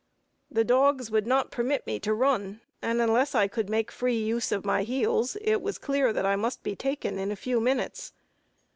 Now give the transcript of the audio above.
The dogs would not permit me to run, and unless I could make free use of my heels, it was clear that I must be taken in a few minutes.